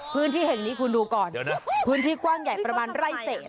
พื้นที่แห่งนี้คุณดูก่อนเดี๋ยวนะพื้นที่กว้างใหญ่ประมาณไร่เศษ